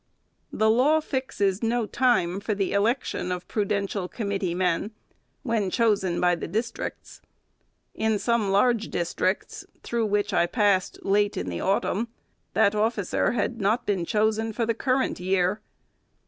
The la\v fixes no time for the election of prudential committee men, when chosen by the districts. In some large dis tricts, through which I passed late in the autumn, that officer had not been chosen for the current year.